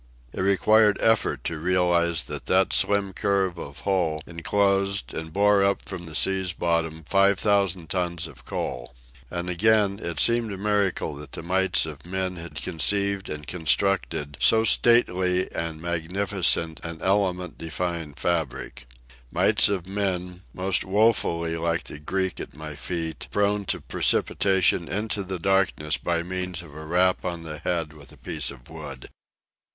It required effort to realize that that slim curve of hull inclosed and bore up from the sea's bottom five thousand tons of coal. And again, it seemed a miracle that the mites of men had conceived and constructed so stately and magnificent an element defying fabric—mites of men, most woefully like the Greek at my feet, prone to precipitation into the blackness by means of a rap on the head with a piece of wood.